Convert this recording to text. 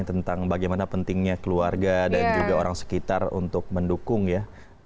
tentang bagaimana pentingnya keluarga dan juga orang sekitar untuk mendukung ya